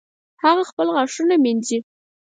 هغه خپل غاښونه مینځي